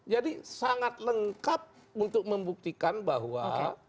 jadi sangat lengkap untuk membuktikan bahwa